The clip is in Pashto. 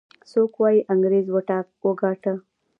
څوک وايي انګريز وګاټه.